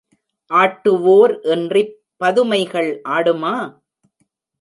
ஆட்டுவோர் இன்றிப் பதுமைகள் ஆடுமா?